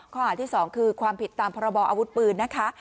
ข้อหาที่๒คือความผิดตามพรบออาวุธปืนนะคะ